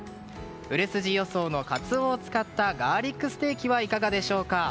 売れ筋予想のカツオを使ったガーリックステーキはいかがでしょうか。